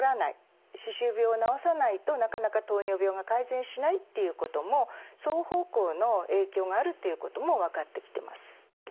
歯周病を治さないとなかなか糖尿病が改善しないっていうことも双方向の影響があるっていうことも分かってきてます。